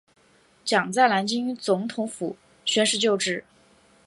蒋在南京总统府宣誓就职。